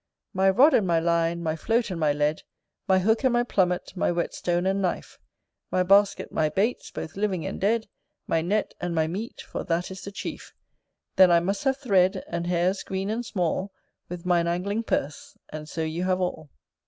My rod and my line, my float and my lead, My hook and my plummet, my whetstone and knife, My basket, my baits, both living and dead, My net, and my meat, for that is the chief: Then I must have thread, and hairs green and small, With mine angling purse: and so you have all.